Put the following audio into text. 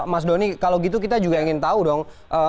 mas doni kalau gitu kita juga ingin tahu dong